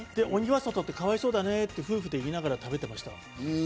鬼は外ってかわいそうだねぇって夫婦で言いながら食べてました。